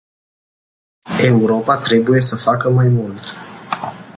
Europa trebuie să facă mai mult.